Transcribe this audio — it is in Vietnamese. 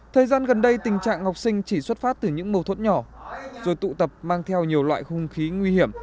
thời gian gần đây tình trạng học sinh chỉ xuất phát từ những mâu thuẫn nhỏ rồi tụ tập mang theo nhiều loại hung khí nguy hiểm